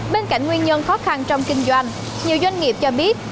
bên cạnh nguyên nhân khó khăn trong kinh doanh nhiều doanh nghiệp cho biết